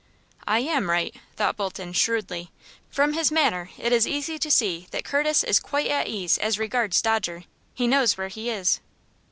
"I am right," thought Bolton, shrewdly. "From his manner it is easy to see that Curtis is quite at ease as regards Dodger. He knows where he is!"